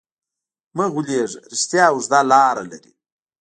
مه غولېږه، رښتیا اوږده لاره لري.